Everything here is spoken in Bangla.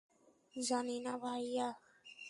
জানি না, ভাইয়া।